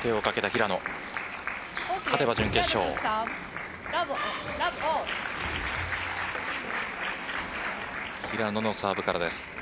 平野のサーブからです。